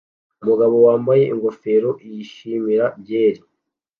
Umugabo wambaye ingofero yishimira byeri